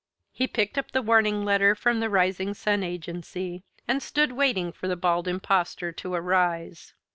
He picked up the warning letter from the Rising Sun Agency, and stood waiting for the Bald Impostor to arise.